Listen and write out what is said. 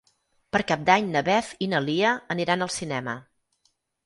Per Cap d'Any na Beth i na Lia aniran al cinema.